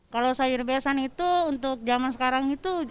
kalau sayur besan itu untuk zaman sekarang itu